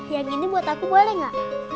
yang ini buat aku boleh gak